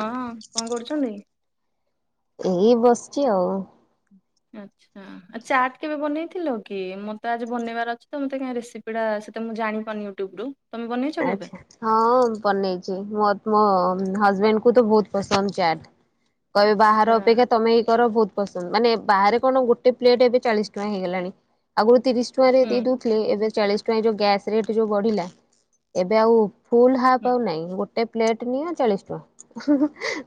ହଁ କଣ କରୁଛନ୍ତି? ଏଇ ବସିଚି ଆଉ। ଆଚ୍ଛା। ଆ ଚାଟ୍ କେବେ ବନେଇଥିଲ କି? ମତେ ଆଜି ବନେଇବାର ଅଛି ତ, ମତେ କାହି ରେସିପି ଟା ସେତ ମୁଁ ଜାଣିପାରୁନି। ଟୁଵରୁ। ଆଛା ହଁ ବନେଇଛି, ମ ମୋ ହଜବେଣ୍ଡକୁ ତ ବହୁତ ପସନ୍ଦ ଚାଟ୍। କହିବେ ବାହାର ଆଚ୍ଛା ଅପେକ୍ଷା ତମେ ହିଁ କର ବହୁତ ପସନ୍ଦ, ମାନେ ବାହାରେ କଣ ଗୋଟେ ପ୍ଲେଟ ଏବେ ଚାଳିଶ ଟଙ୍କା ହେଇଗଲାଣି। ଆଗରୁ ତିରିଶ ଟଙ୍କାରେ ହୁଁ ଦେଇଦଉଥିଲେ ଏବେ ଚାଳିଶ ଟଙ୍କା ଯୋଉ ଗ୍ୟାସ୍ ରେଟ ଯୋଉ ବଢିଲା। ଏବେ ଆଉ ଫୁଲ ହାପ ହୁଁ ଆଉ ନାହିଁ, ଗୋଟେ ପ୍ଲେଟ ନିଅ ଚାଳିଶ ଟଙ୍କା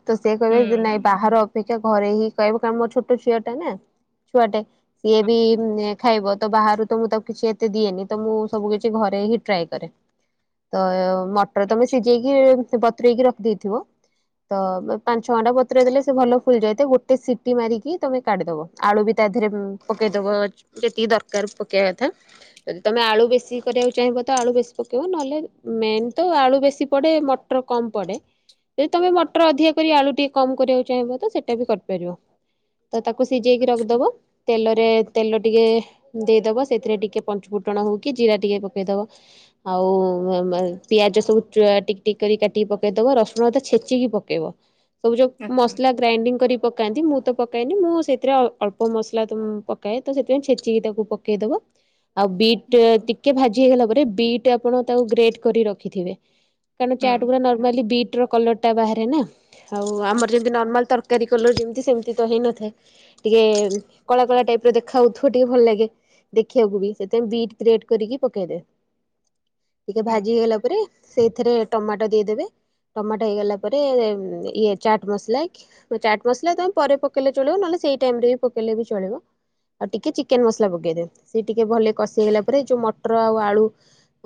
ତ ସେ ହୁଁ କହିବେ ଯେ ନାଇଁ ବାହାର ଅପେକ୍ଷା ଘରେ ହିଁ କହିବ କାରଣ ମୋ ଛୋଟ ଛୁଆଟା ନା ଛୁଆଟେ। ସିଏ ହଁ ବି ହଁ। ଖାଇବ ତ ବାହାରୁ ତ ମୁଁ ତାକୁ କିଛି ଏତେ ଦିଏନି ତ ମୁଁ ସବୁ କିଛି ଘରେ ହିଁ ଟ୍ରାଏ କରେ। ତ ମଟର ତମେ ଆଚ୍ଛା। ସିଝେଇକି ବତୁ୍ରେଇକି ରଖିଦେଇଥିବ। ତ ପାଞ୍ଚ ଛଅ ଘଣ୍ଟା ବତୁରାଇ ଦେଲେ ସେ ଭଲ ଫୁଲ୍ ଯାଇତିବ ଗୋଟେ ସିଟି ମାରିକି ତମେ କାଢିଦବ। ଆଳୁ ବି ତା ଦେହରେ ପକେଇଦବ ଯେତିକି ଦରକାର ପକେଇବା କଥା। ଯଦି ତମେ ଆଳୁ ବେଶୀ କରିବାକୁ ଚାହିଁବ ତ ଆଳୁ ବେଶୀ ପକେଇବ ନହେଲେ ମେନ୍ ତ ଆଳୁ ବେଶୀ ପଡେ଼ ମଟର କମ‌ ପଡେ଼। ଯଦି ତମେ ମଟର ଅଧିକ କରି ଆଳୁ ଟିକେ କମ କରିବାକୁ ଚାହିଁବ ତ ସେଟା ବି କରିପାରିବ। ତ ତାକୁ ସିଜେଇକି ଆଚ୍ଛା ରଖିଦବ। ତେଲରେ ତେଲ ଟିକେ ଦେଇଦବ ସେଥିରେ ଟିକେ ପଞ୍ଚ ଫୁଟଣ ହଉକି ଜିରା ଟିକେ ପକେଇଦବ। ଆଉ ପିଆଜ ସବୁ ଟିକ ଟିକ କରି କାଟିକି ପକେଇଦବ ରସୁଣ ତ ଛେଚିକି ପକେଇବ। ସବୁ ଯୋଉ ଆଚ୍ଛା ମସଲା ଗ୍ରାଇଣ୍ଡିଙ୍ଗ କରି ପକାନ୍ତି ମୁଁ ତ ପକାଏନି, ମୁଁ ସେଥିରେ ଅଳ୍ପ ମସଲା ପକାଏ ତ ସେଥିପାଇଁ ଛେଚିକି ତାକୁ ପକ କେଇଦବ। ଆଉ ବିଟ୍ ଆଚ୍ଛା। ଟିକେ ଭାଜି ହେଇଗଲା ପରେ ବିଟ୍ ଆପଣ ତାକୁ ଗ୍ରେଟ କରି ରଖିଥିବେ। କାରଣ ହୁଁ ଚାଟୁ ଗା ନର୍ମାଲି ବିଟ୍ ର କଲର ଟା ବାହାରେ ନା ଆଉ ଆମର ଯେମିତି ଆଚ୍ଛା ନର୍ମାଲ ତର ଟେରି କଲ ଯେମିତି ସେମିତି ତ ହେଇନଥାଏ ଟିକେ କଳା କଳା ଟାଇପ୍ ର ଦେଖା ହଉଥିବ ଟିକେ ଭଲ ଲାଗେ। ଦେଖିବାକୁ ବି ସେଥିପାଇଁ ବିଟ୍ରିକ୍ରେଟ୍ କରିକି ପକେଇ ଦେବେ। ଟିକେ ହୁଁ ଭାଜି ହେଇଗଲା ପରେ ସେଇଥିରେ ଟମାଟୋ ଦେଇଦେବେ। ଟମାଟୋ ହେଇଗଲା ପରେ ଇଏ ଚାଟ୍ ମସଲା। ଚାଟ୍ ମସଲା ତମେ ପରେ ପକେଇଲେ ଚଳିବ ନହଲେ ସେଇ ଟାଇମ ରେ ବି ପକେଇଲେ ବି ଚଳିବ। ଆଉ ଟିକେ ଚିକେନ ମସଲା ପକେଇଦ ସେ ଟିକେ ଭଲ କଷି ହେଲା ପରେ ଯୋଉ ମଟର ଆଉ ଆଳୁ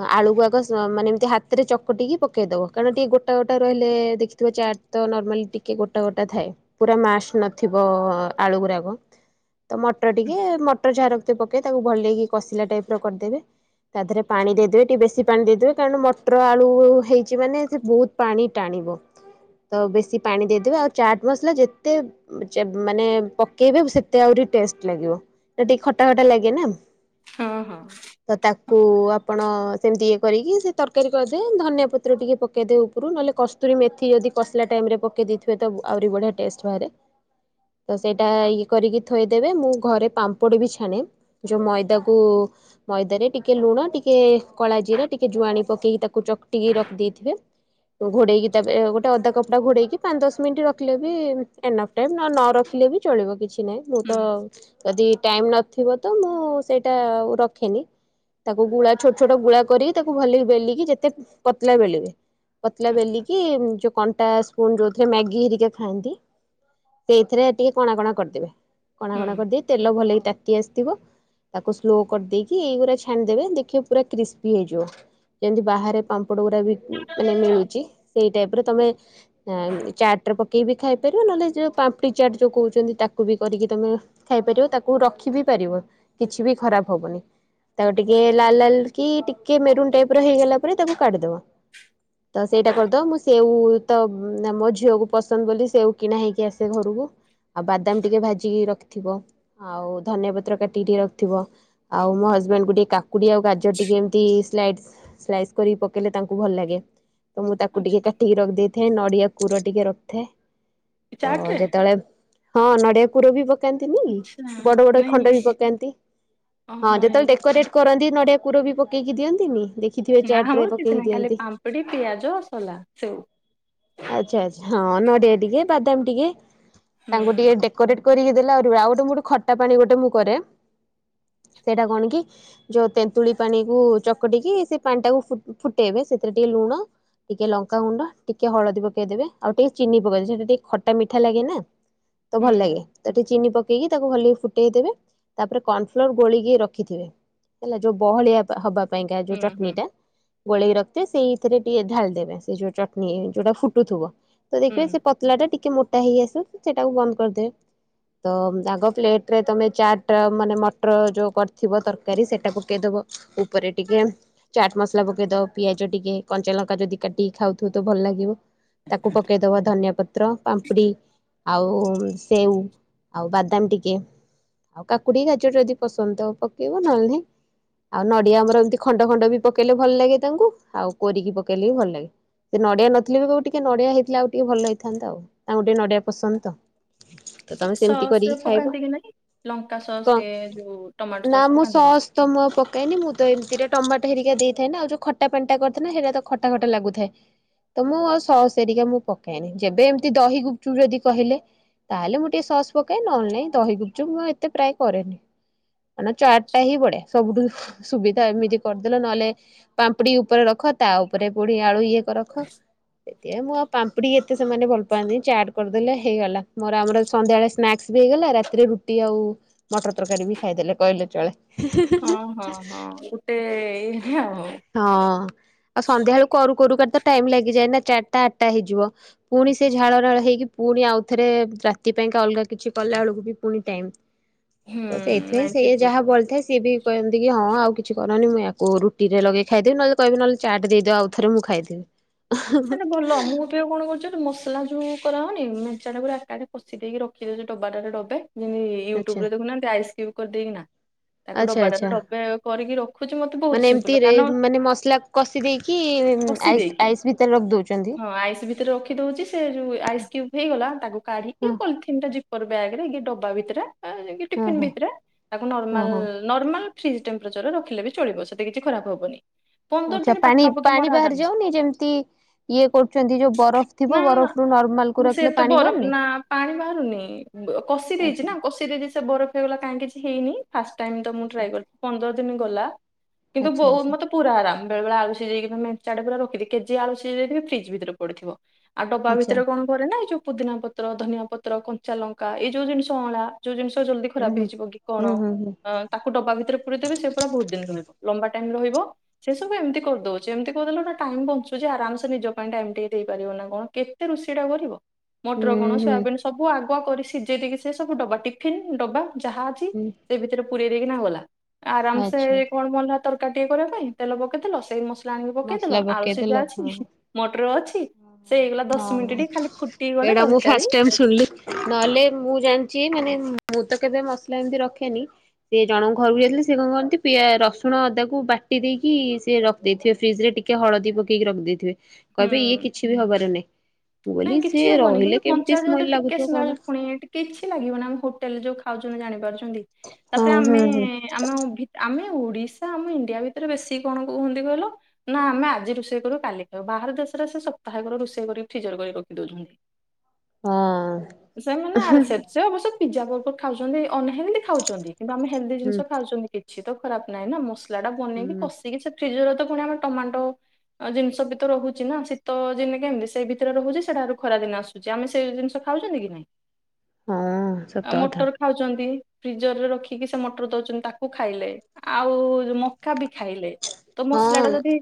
ହଁ ଆଳୁ କୁ ଆଉ କ ସ ମାନେ ଏମିତି ହାତ ରେ ଚକଟିକି ପକେଇଦବ କାରଣ ଟିକେ ଗୋଟା ଗୋଟା ରହିଲେ ଦେଖିଥିବ ଚାଟ୍ ତ ନର୍ମାଲି ଟିକେ ଗୋଟା ଗୋଟା ଥାଏ ପୁରା ମାସ ନଥିବ ଆଳୁ ଗୁରାକ। ତ ମଟର ହୁଁ ଟିକେ ମଟର ଝାର ତ ପକେଇ ତାକୁ ଭଲକି କଷିଲା ଟାଇପ୍ ର କରିଦେବେ ତା ଥିରେ ପାଣି ଦେଇ ଦେବେ ଟିକେ ବେଶୀ ପାଣି ଦେଇ ଦେବେ କାରଣ ମଟର ଆଳୁ ହେଇଛି ମାନେ ସେ ବହୁତ୍ ପାଣି ଟାଣିବ। ତ ବେଶୀ ପାଣି ଦେଇଦେବେ ଆଉ ଚାଟ୍ ମସଲା ଯେତେ ମାନେ ପକେଇବେ ସେତେ ଆହୁରି ଟେଷ୍ଟ ଲାଗିବ। ଏ ଟିକେ ଖଟା ଖଟା ଲାଗେ ନା। ହଁ ହଁ। ତ ତାଙ୍କୁ ଆପଣ ସେମିତି ଇଏ କରିକି ସେ ତରକାରୀ କରିଦେଏ ଧନିଆଁ ପତ୍ର ଟିକେ ପକେଇଦିଏ ଉପରୁ ନହେଲେ କସ୍ତୁରୀ ମେଥି ଯଦି କସିଲା ଟାଇମ୍ ରେ ପକେଇ ଦେଇଥିବେ ତ ଆହୁରି ବଢିଆ ଟେଷ୍ଟ ବାହାରେ। ତ ସେଇଟା ଇଏ କରିକି ଥୋଇଦେବେ ମୁଁ ଘରେ ପାମ୍ପୋଡ ବି ଛାଣେ। ଯୋଉ ମଇଦାକୁ ମଇଦାରେରେ ଟିକେ ଲୁଣ ଟିକେ କଳା ଜିରା ଟିକେ ଜୁଆଣି ପକେଇକି ତାକୁ ଚକଟିକି ରଖିଦେଇଥିବେ ଘୋଡେଇକି ତା ପରେ ଗୋଟେ ଅଧା କପ ଟା ଘୋଡେଇକି ପାଞ୍ଚ ଦଶ ମିନିଟ ରଖିଲେ ବି ଏ ନଅଫ ଟାଇ ନ ରଖିଲେ ବି ଚଳିବ କିଛି ନହିଁ ମୁଁ ହୁଁ ତ ଯଦି ଟାଇମ୍ ନଥିବ ତ ମୁଁ ସେଇଟା ରଖେନି। ତାକୁ ଗୁଳା ଛୋଟ ଛୋଟ ଗୁଳା କରି ତାକୁ ଭଲକି ବେଲିକି ଯେତେ ପତଳା ବେଲିବି ପତଳା ଆଚ୍ଛା ବେଲିକି ଯୋଉ କଣ୍ଟା ପୁଣି ଯୋଉଥିରେ ମ୍ୟାଗି ହେରିକା ଖାଆନ୍ତି ସେଇଥିରେ ଟିକେ କଣା କଣା କରିଦେବେ। କଣା ହୁଁ କଣା କରିଦେଇ ତେଲ ଭଲ କି ତାତି ଆସିଥିବ। ତାକୁ ସ୍ଲୋ କରିଦେଇକି ଏଇଗୁରା ଛାଣିଦେବେ ଦେଖିବ ପୁରା କ୍ରିସ୍ପି ହେଇଯିବ। ଯେମତି ବାହାରେ ପାମ୍ପଡ ଗୁଡା ବି ମାନେ ମିଳୁଛି ସେଇ ଟାଇପ୍ ରେ ତମେ ନା ମ ଚାଟ ରେ ପକେଇି ବି ଖାଇପାରିବେ ନହେଲେ ଯୋଉ ପାମ୍ପଡି ଚାଟ ଯୋଉ କହୁଛନ୍ତି ତାକୁ ବି କରିକି ତମେ ଖାଇପାରିବ ତାକୁ ରଖି ବିି ପାରିବ କିଛି ବି ଖରାପ ହବନି। ତାକୁ ଟିକେ ଆଚ୍ଛା ଲାଲ ଲାଲ କି ଟିକେ ମେରୁନ୍ ଟାଇପ୍ ର ହେଇଗଲା ପରେ ତାକୁ କାଢିଦବ। ତ ସେଇଟା କରିଦବ ମୁଁ ସେଉ ତ ନା ମୋ ଝିଅକୁ ପସନ୍ଦ ବୋଲି ସେଉ କିଣା ହେଇକି ଆସ ସେ ଘରକୁ ଆଉ ବାଦାମ ଟିକେ ଭାଜିକି ରଖିଥିବ ଆଉ ଧନଆ ପତ୍ର କାଟିିକି ଟିକେ ରଖିଥିବ ଆଉ ମୋ ହଜବେଣ୍ଡ କୁ ଟିକେ କାକୁଡି ଆଉ ଗାଜର ଟିକେ ଟି ସ୍ଲାଇଟିସ୍‌ ସ୍କାଇସ କରିକି ପକେଇଲେ ତାଙ୍କୁ ଭଲ ଲାଗେ ତ ମୁଁ ତାକୁ ଟିକେ ଆଚ୍ଛା କାଟିକି ରଖିଦେଇ ଥେ ନଡିଆ ପୁର ଟିକେ ରଖିଥାଏ ତ ଚାଟ୍ ରେ ଯେତେବେଳେ ହଁ ନଡିଆ ପୁର ବି ପ ପକାନ୍ତିନି ଆଚ୍ଛା ବଡ ବଡ ଖଣ୍ଡ ବି ନାଇଁ ପକାନ୍ତି ହଁ ଓହୋ ଏଇ ଯେତେଳେ ଡେକରେଟ କରନ୍ତି ନଡ଼ିଆ କୁର ବି ପକେଇକି ଦିଅନ୍ତିନି ଦେଖି ନା ହଉଚି ସେ ନାହି ଖାଲି ପାମ୍ପଡି ପିଆଜ ସୋଲା ସେଓ। ଆଛା ଆଛା ହଁ ନଡିଆ ଟିକେ ବାଦାମ ଟିକେ ହୁଁ ତାଙ୍କୁ ଟିକେ ଡେ କରିକ୍ କରିକି ଦେଲେ ଆଉ ଗୋଟେ କୋଉଟି ଖଟା ପାଣି ଗୋଟେ ମୁଁ କରେ। ସେଇଟା କଣ କି ଯେଉ ତେନ୍ତୁଳି ପାଣି। ଚକଟିକି ସେ ପାଣି ଟାକୁ ଫୁଟେଇବେ ସେଥିରେ ଟିକେ ଲୁଣ ଟି କେ ଲଙ୍କା ଗୁଣ୍ଡ ଟିକେ ହଳଦୀ ପକେଇଦବେ ଆଉ ଟିକେ ଚିନି ପକେଇଦବେ ସେଟା ଟିକେ ଖଟା ମିଠା ଲାଗେ ନା। ତ ହୁଁ ଭଲ ଲାଗେ। ତାକୁ ଚିନି ପକେଇକି ତାକୁ ହଲି ଫୁଟେଇ ଦେେବେ ତାପରେ କର୍ଣ୍ଣ ଫ୍ଲୋର ଗୋଳିକି ରଖିଥିବେ ହେଲା ଯୋଉ ବହଳିଆ ହବା ପାଇଁକା ଯୋଉ ହୁଁ ଚଟଣି ହୁଁ ଟା ଗୋଳେଇକି ରଖିଥିବେ ସେଇଥିରେ ଟିକେ ଢାଲି ଦେବେ ସେ ଯୋଉ ଚଟନି ଯୋଉଟା ଫୁଟୁଥିବ ତ ଦେଖିବେ ହୁଁ ସେ ପଟ୍ ପତଲା ଟା ଟିକେ ମୋଟା ହେଇ ଆସିବ ସେଟାକୁ ବନ୍ଦ କରିଦେବେ। ତ ଆଗ ପ୍ଲେଟରେ ତମେ ଚାଟ୍ ମାନେ ମଟର ଯୋଉ କରିଥିବ ତରକାରୀ ସେଇଟା ପକେଇଦବ ଉପରେ ଟିକେ ଚାଟ୍ ମସଲା ପକେଇଦବ ପିଆଜ ଟିକେ କଞ୍ଚା ଲଙ୍କା ଯଦି କାଟିିକି ଖାଉଥିବ ତ ଭଲ ଲାଗିବ। ତାକୁ ପକେଇ ଦବା ଧନିଆ ପତ୍ର, ପାମ୍ପୁଡି ଆଉ ସେଉ ଆଉ ବାଦାମ ଟିକେ। ଆଉ କାକୁଡି, ଗାଜର ଯଦି ପସନ୍ଦ ତ ପକେଇବ ନହେଲେ ନାହିଁ। ଆଉ ନଡିଆ ଆମର ଏମତି ଖଣ୍ଡ ଖଣ୍ଡ ବି ପକେଇଲେ ଭଲ ଲାଗେ ତାଙ୍କୁ ଆଉ କୋରିକି ପକେଇଲେ ବି ଭଲ ଲାଗେ। ସେ ନଡିଆ ନଥିଲେ ବି କହିବେ ଟିକେ ନଡିଆ ହେଇଥିଲେ ଆଉ ଟିକେ ଭଲ ହେଇଥାନ୍ତା ଆଉ ତାଙ୍କୁ ଟିକେ ନଡିଆ ପସନ୍ଦ ତ? ତ ତମେ ସେମିତି କରିକି ସ-ସସ୍ ଖାଇବ ପକାନ୍ତି କି ନାଇଁ ଲଙ୍କା ସସ୍ କଣ ସେ ଯୋଉ ଟମାଟୋ ନା ସସ୍ ମୁଁ ପକାନ୍ତିନି? ତ ମୁଁ ଆଉ ପକୋ ପକାଏନି ମୁଁ ତ ଏମିତି ରେ ଟମାଟ ହେରିକା ଦେଇଥାଏ ନା ଆଉ ଯୋଉ ଖଟା ପାଣିଟା କରିଥିନ ସେଟା ତ ଖଟା ଖଟା ଲାଗୁଥାଏ। ତ ମୁଁ ଆଉ ସସ୍ ହେରୀକା ମୁଁ ପକାଇନି ଯେବେ ଏମିତି ଦହି ଗୁପଚୁପ୍ ଯଦି କହିଲେ? ତାହେଲେ ମୁଁ ଟିକେ ସସ୍ ପକଏ ନହେଲେ ନାହିଁ ଦହି ଗୁପଚୁପ୍ ମୁଁ ଏତେ ପ୍ରାୟ କରେନି। କାରଣ ଚାଟ ହିଁ ବଢିଆ ସବୁଠୁ ସୁବିଧା ଏମିତି କରିଦେଲ ନହେଲେ ପାମ୍ପୁଡି ଉପରେ ରଖ ତା ଉପରେ ପୁଣି ଆଳୁ ଇଏ କ ରଖ। ସେଥି ପାଇଁ ମୁଁ ଆଉ ପାମ୍ପଡିି ଏତେ ସେମାନେ ଭଲ ପାଆନ୍ତିିନି ଚାଟ କରିଦେଲେ ହେଇଗଲା ମୋର ଆମର ସନ୍ଧ୍ୟାବେଳେ ସ୍ନାକ୍ସ ବି ହେଇଗଲା ରାତିରେ ରୁଟି ଆଉ ମଟର ତରକାରୀ ବି ଖାଇଦେଲେ କହିଲେ ଚଳେ। ହଁ ହଁ ହଁ ଗୋଟେ ଇରେ ଆଉ। ହଁ ଆଉ ସନ୍ଧ୍ୟା ବେଳୁ କରୁ କରୁ କ ତ ଟାଇମ ଲାଗିଯାଏ ନା ଚାଟଟା ଆଟା ହେଇଯିବ। ପୁଣି ସେ ଝାଳ ନାଳ ହେଇକି ପୁଣି ଆଉଥରେ ରାତି ପାଇଁକା ଅଲଗା କିଛି କଲାବେଳକୁ ବି ପୁଣି ଟାଇମ୍ [inaudible] ହୁଁ ତ ସେଇଥିପାଇଁ ନାଇଁ ଠିକ ସେଇଆ କହୁଛ। ଯାହା ବଳିଥାଏ ସିଏ ବି କହନ୍ତି କି ହଁ ଆଉ କିଛି କରନି ମୁଁ ୟାକୁ ରୁ ଟିରେ ଲଗେଇ ଖାଇଦେବ ନହଲେ କିହିବେ ନହଲେ ଚାଟ ଦେଇଦିଅ ଆଉଥରେ ମୁଁ ଖାଇଦେବି। ସେଟା ଭଲ ମୁଁ କଣ କରୁଛନ୍ତି ମସଲା ଯୋଉ କରାହଉନି ମେଞ୍ଚା ଟା ପୁରା ଏକାଠି କଷି ଦେଇକି ରଖିଦଉଛି ଡବାଟା ରେ ଡବେ ଯେମିତି ୟୁଟ୍ୟୁବରେ ଦେଖୁନାହାନ୍ତି ଆଇସ୍ କ୍ୟୁବ କରିଦେଇକି ନା? ଆଛା ଆଛା ରଖୁଛି ମତେ ବହୁତ ମାନେ ସିମ୍ପୁଲ ଏମିତିରେ କାରଣ ମାନେ ମସଲା କଷି ଦେଇେଇକି ଆଇସ୍-ଆଇସ୍ ଭିତରେ ରଖି ଦଉଛନ୍ତି? ଆଇସ୍ ଭିତରେ ରଖି ଦଉଛି ସେ ଯୋଉ ଆଇସ୍ କ୍ୟୁବ୍ ହେଇଗଲା ତାକୁ ହଁ କାଢିକି ପଲଥିନ୍ ଟା ପେପର୍ ବ୍ୟାଗରେ ଡବା ଭିତରେ କି ହଁ ଟିଫିନ ହଁ ଭିତରେ ତାକୁ ହଁ ନରମାଲ ହଁ। ନର୍ମାଲ ଫ୍ରିଜ୍ ଟେମ୍ପରେଚରରେ ରଖିଲେ ବି ଚଳିବ ସେଟା କିଛି ଖରାପ ହବନି। ପନ୍ଦର ଆଛା ଦିନ ପାଖାପାଖି ମୋର ପାଣି-ପାଣି ବାହାରି ଆରାମସେ ଯାଉନି ଯେମିତି ଇଏ କରୁଛନ୍ତି ଯୋଉ ବରଫ ଥିବ ନା ନା ବରଫ ରୁ ନର୍ମାଲ କୁ ମୁଁ ସେ ରଖିଲେ ତ ପାଣି ବର ବାହାରୁନି ନା ପାଣି ବାହାରୁନି କଷି ଦେଇଛି ଆଚ୍ଛା। ନା କଷି ଫ୍ରି- ଜି-ଜି ସେ ବରଫ ହେଇଗଲା କାଇଁ ହେଇନି ଫାଷ୍ଟ୍ ଟାଇମ ତ ମୁଁ ଆଚ୍ଛା ଟ୍ରାଏ କ ପନ୍ଦର ଦିନ ଗଲା କିନ୍ତୁ ଆଚ୍ଛା ବୋଉ ଆଚ୍ଛା ମତେ ପୁରା ଆରମ ବେଳେ ବେଳେ ଆଳୁ ସିଯେଇକିନ ମେଞ୍ଚା ଟେ ପୁରା ରଖିଦେଇକି କେଜିଏ ଆଳୁ ସୀଜେଇ ଦେଇଥିବି ଫ୍ରିଜ୍ ଭିତରେ ପଡିଥିବ ଆଉ ଡବା ଆଚ୍ଛା ଭିତରେ କଣ ପରେ ନା ଏଇ ଯୋଉ ପୁଦିନା ପତ୍ର, ଧନିଆ ପତ୍ର, କଞ୍ଚା ଲଙ୍କା ଏଇ ଯୋଉ ଜିନିଷ ଅଁଳା ଯୋଉ ଜିନିଷ ଜଲଦି ହୁଁ ଖରାପ ହୁଁ। ହେଇଯିବ କି କଣ। ହୁଁ ହୁଁ ହୁଁ ଅଁ ତାକୁ ଡବା ଭିତରେ ପୁରେଇଦେବି ସେ ପୁରା ବହୁତ ଦିନ ରହିବ ଲମ୍ବା ଟାଇମ ରହିବ। ସେ ସବୁ ଏମତି କରିଦଉଚି ଏମତି କରିଦେଲେ ଗୋଟେ ଟାଇମ୍ ବଂ ସୁଜି ଆରାମସେ ନିଜ ପାଇଁ ଟାଇମ୍ ଟିକେ ଦେଇପାରିବ ନାଁ କଣ, କେତେ ରୋଷେଇ ଟା କରିବ? ମଟର ହୁଁ କଣ ହୁଁ ସୋୟାବିନ୍ ସବୁ ଆଗୁଆ କରି ସିଜେଇ ଦେଇକି ସେ ସବୁ ଡବା ଟିଫିନ୍ ଡବା ଯାହା ଅଛି ହୁଁ ତି ସେ ଭିତରେ ପୁରେଇଦେଇକିନା ଗଲା ଆରାମ ସେ ଆଚ୍ଛା କଣ ମଲ୍ହା ତରକାରୀ ଟିକେ କରିବା ପାଇଁ ତେଲ ପକେଇଦେଲ ସେଇ ମସଲା ଆଣିକି ମସଲା ପକେଇଦେଲ ଆଳୁ ସିଝା ପକେଇଦେଲ ଅଛି। ମଟର ଅଛି। ସେ ହେଇଗଲା ଦଶ ହଁ ହଁ ମିନିଟ ମୁଁ ଟିକେ ଖାଲି ଫୁଟି ଗଲେ ଏଇଟା ମୁଁ ତରକାରୀ ଫାଷ୍ଟ ଟାଇମ୍ ଶୁଣିଲି। ନହେଲେ ମୁଁ ଜାଣିଚି ମାନେ ମୁଁ ତ କେବେ ମସଲା ଏମିତି ରଖେନି। ତି ଜଣଙ୍କ ଘରୁକୁ ଯାଇଥିଲି ସେ କଁ କରନ୍ତି ପିଆ ରସୁଣ ଅଦାକୁ ବାଟି ଦେଇକି ସିଏ ର ଦେଇଥିବେ ଫ୍ରିଜ୍ ରେ ଟିକେ ହଳଦୀ ପକେଇକି ରଖିଦେଇଥିବେ ହୁଁ କହିବେ ଇଏ କି ଛି ବି ହବାର ନାହିଁ ମୁଁ ନାଇଁ କଇଲି କିଛି ସିଏ ହବନି କିନ୍ତୁ ରହିଲେ କଞ୍ଚା କେମତି ଯେହେତୁ ସ୍ମେଲ ଟିକେ ଲାଗୁଥୁବ ସ୍ମେଲ କଣ? ପୁଣି ଟିକେ କିଛି ଲାଗିବ ନାଁ ଆମ ହୋଟେଲ୍ ରେ ଯୋଉ ଖାଉଛୁ ଜାଣିପାରୁଚନ୍ତି? ହଁ ତାପରେ ହଁ ଆମେ ହଁ ଆମ ଭି ଆମେ ଓଡ଼ିଶା ଆମ ଇଣ୍ଡିଆ ଭିତରେ ବେଶୀ କଣ କୁହନ୍ତି କହିଲ? ନାଁ ଆମେ ଆଜି ରୋଷେଇ କରୁ କାଲି ଖାଉ ବାହାର ଦେଶରେ ସେ ସପ୍ତାହେକର ରୋଷେଇ କରି ଫିଜର କରି ରଖି ଦୋଉଛନ୍ତି। ସେମାନେ ହଁ ଆରସେପସ୍ ସେ ଅବଶ୍ୟ ପିଜା ବର୍ଗର ଖାଉଛନ୍ତି ଅନହେଲଦି ଖାଉଛନ୍ତି କିନ୍ତୁ ଆମେ ହେଲ୍ଦି ହୁଁ ଜିନିଷ ଖାଉଛନ୍ତି କି ଛି ତ ଖରାପ ନାହିଁ ନାଁ ମସଲାଟା ବନେଇକି ହୁଁ କଷିକି ସେ ଫ୍ରିଜରେ ତ ଫୁଣି ଆମେ ଟମାଟୋ ଅଁ ଜିନିଷ ବି ତ ରହୁଚି ନା ଶୀତ ଯେନେ କେମିତି ସେଇ ଭିତରେ ରହୁଚି ସେଟାରୁ ଖରା ଦିନେ ଆସୁଚି। ଆମେ ସେ ଜିନିଷ ଖାଉଚନ୍ତି କି ନାଇଁ? ହଁ ସତ କଥା। ଖାଉଚନ୍ତି ଫ୍ରିଜର୍ ରେ ରଖିକି ସେ ମଟର୍ ଦଉଚନ୍ତି ତାକୁ ଖାଇଲେ। ଆଉ ମକା ବି ଖାଇଲେ ତ ମସଲାଟା ଯଦି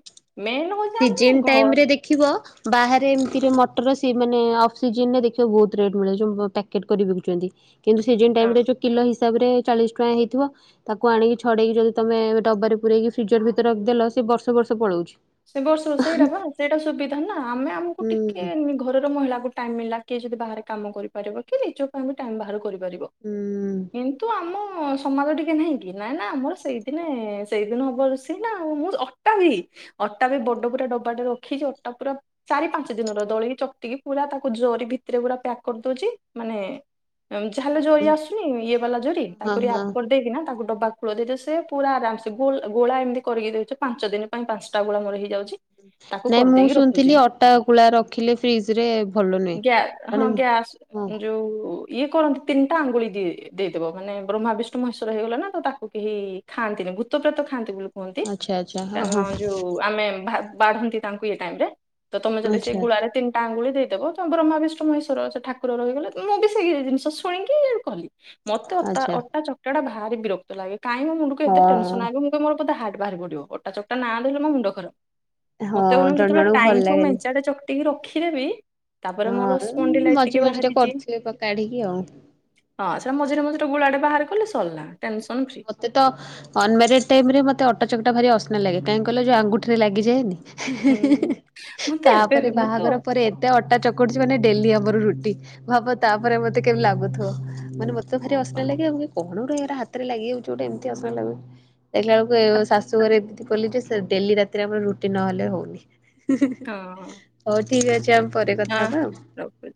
ମେନ୍ ହଉ ପିଜିମ୍ ଟାଇମ୍ ରେ ଦେଖିବ ବାହାରେ ଏମତିରେ ମଟର ସେ ମାନେ ଅକ୍ସିଜନରେ ଦେଖିବ ବୋହୁତ ରେଟ୍ ମିଳେ ଯୋଉ ପ୍ୟାକେଟ୍ କରି ବିକୁଚନ୍ତି। କିନ୍ତୁ ସିଜନ୍ ଟାଇମ୍ ରେ ଯୋଉ କିଲୋ ହିସାବରେ ଚାଳିଶ ଟଙ୍କା ହେଇଥିବ। ତାକୁ ଆଣିକି ଛଡ଼େଇକି ଯଦି ତମେ ଡବାରେ ପୁରେଇକି ଫ୍ରିଜର୍ ଭିତରେ ରଖିଦେଲ ସେ ବର୍ଷ ବର୍ଷ ପଳଉଛି। ସେ ବର୍ଷରୁ ସେଇଟା ବା ସେଇଟା ସୁବିଧା ନାଁ ଆମେ ଆମୁକୁ ଟିକେ ହୁଁ ନି ଘରର ମହିଳାକୁ ଟାଇମ୍ ମିଳିଲା କିଏ ଯଦି ବାହାରେ କାମ କରିପାରିବ କି ରିଜ ପାଇଁ ବି ଟାଇମ୍ ବାହାର କରି ହୁଁ କରିବକିନ୍ତୁ ଆମ ସମାଜ ଟିକେ ନହିଁ କି ନାଁ ନାଁ ଆମର ସେଇ ଦିନେ ସେଇଦିନ ହବ ରୋଷେଇ ନାଁ ଆଉ ମୁଁ ଅଟା ବି ଅଟା ବି ବଡ଼ ପୁରା ଡବାଟେ ରଖିଚି ଅଟା ପୁରା ଚାରି ପାଞ୍ଚ ଦିନର ଦଳିକି ଚକଟିକି ପୁରା ତାକୁ ଜରି ଭିତରେ ପୁରା ପ୍ୟାକ୍ କରିଦଉଚି ମାନେ ଏମ୍ ଯାହା ହେଲେ ଜରି ଆସୁନି ଇଏ ବାଲା ଜରି ହଁ ତାକୁ ହଁ ରିଆପ୍ କରିଦେଇକି ନା ତାକୁ ଡବା ବୋଧେ ତ ସେ ପୁରା ଆରାମସେ ଗୁଲ୍ ଗୋଳା ଏମତି କରିକି ଦେଉଚ ପାଞ୍ଚ ଦିନ ପାଇଁ ପାଞ୍ଚଟା ଗୋଳା ମୋର ହେଇ ନାଇଁ ମୁଁ ଶୁଣିଥିଲି ଅଟା ଗୁଳା ରଖିଲେ ଫ୍ରିଜରେ ଭଲ ନୁହେଁ ଗ୍ୟା ହଁ ଆଣମ୍ ଗ୍ୟାସ୍ ଯୋଉ ଇଏ କରନ୍ତି ତିନିଟା ଆଙ୍ଗୁଳି ଦିଏ ଦେଇଦବ ମାନେ ବ୍ରହ୍ମା ବିଷ୍ଣୁ ମହେଶ୍ଵର ହେଇଗଲେ ନା ତ ତାକୁ କେହି ଖାନ୍ତିିନି ଭୂତ ପ୍ରେତ ଖାଆନ୍ତି ବୁଲୁ କୁହନ୍ତି ଆଚ୍ଛା ଆଚ୍ଛା ହଁ କାରଣ ହଁ ଯୋଉ ଆମେ ଭା ବାଢ଼ନ୍ତି ତାଙ୍କୁ ଇଏ ଟାଇମ୍ ରେ। ତ ତମେ ଯଦି ସେଇ ଆଚ୍ଛା ଗୁଳାରେ ତିନ୍ ଟା ଆଙ୍ଗୁଳି ଦେଇଦେବ ତ ବ୍ରହ୍ମା ବିଷ୍ଣୁ ମହେଶ୍ୱର ସେ ଠାକୁର ରହିଗଲେ ମୁଁ ବି ସେଇ ଜିନିଷ ଶୁଣିକି କଲି। ମତେ ଅତା ଆଚ୍ଛା ଅଟା ଚଟଟା ଭାରି ବିରକ୍ତ ଲାଗେ କାଇଁ ମୋ ମୁଣ୍ଡୁକୁ ଏତେ ହଁ। ଟେନସନ ଆଗେ ମୁଁ ବେ ମୋର ପୋଦେ ହାଟ୍ ବାହାରି ପଡ଼ିବ ଅଟା ଚକଟା ନାଁ ଧଇଲେ ମୋ ମୁଣ୍ଡ ଖରାପ। ହଁ ମତେ ବରଂ ଜଣ ଯେତବେଳେ ଜଣଙ୍କୁ ଭଲ ଟାଇମ୍ ସବୁ ଲାଗେନି ମେଞ୍ଚାଟେ ଚକଟିକି ରଖିଦେବି ତାପରେ ମୋର ସ୍ପଣ୍ଡି ହଁ ଲାଇଟ ମଝି ଟିକେ ମଝିରେ ବାହାରିଛି। କରୁଥିବେ କାଢିକି ଆଉ। ହଁ ସେଇଟା ମଝିରେ ମଝିରେ ଗୁଳାଟେ ବାହାର କଲେ ସରିଲା ଟେନସନ ଫ୍ରି। ମତେ ଅ ଅନମାରିଡ୍ ଟାଇମ ରେ ମତେ ଅଟା ଚକଟା ଭାରି ଅସନା ଲାଗେ କାହିଁକ କହିଲ ଯୋଉ ଆଙ୍ଗୁଠିରେ ଲାଗିଯାଏନି। ହୁଁ ମତେ ଏବେ ତାପରେ ବି ମତେ ବାହାଘର ହଁ ପରେ ମତେ ଅଟା ଚକଡଛି ମାନେ ଡେଲି ଆମର ରୁଟି ଭାବ ତାପରେ ମତେ କେବେ ଲାଗୁଥିବ ମାନେ ମତେ ଭାରି ପା ଅସନା ଲାଗେ ଆଉ କଣ ଗୋଟେ ଏ ହାତରେ ଲାଗିଯାଉଛି ଗୋଟେ ମତେ ଅସନା ଲାଗୁଛି। ଦେଖିଲା ହଁ ବେଳକୁ ଶାଶୁଘରେ ଏମିତି କଲି ଯେ ଡେଲି ରାତିରେ ଆମର ରୁଟିନ୍ ନହେଲେ ହଉନି। ହଁ। ହଉ ଠିକ୍ ଅଛି ଆମେ ପରେ କଥା ହେବା ହଁ ଆଉ। ରଖୁଛି।